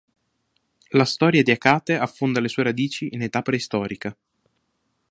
La storia di Acate affonda le sue radici in età preistorica.